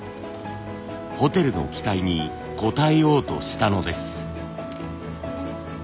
ホテルの期待に応えようとしたのです。